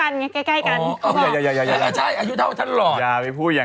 นี่เขาอยู่เท่ากันไงใกล้กัน